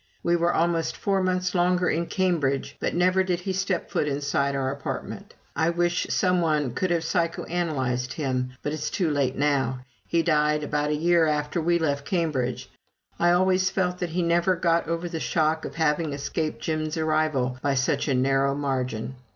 We were almost four months longer in Cambridge, but never did he step foot inside our apartment. I wish some one could have psycho analyzed him, but it's too late now. He died about a year after we left Cambridge. I always felt that he never got over the shock of having escaped Jim's arrival by such a narrow margin.